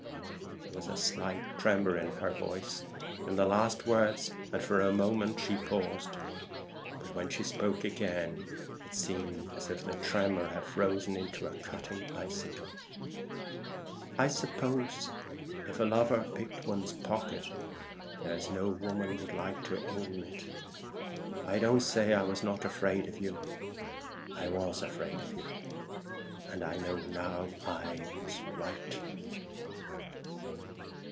There was a slight tremor in Mrs. Transome's voice in the last words, and for a moment she paused: but when she spoke again it seemed as if the tremor had frozen into a cutting icicle. "I suppose if a lover picked one's pocket, there's no woman would like to own it. I don't say I was not afraid of you: I was afraid of you, and I know now I was right."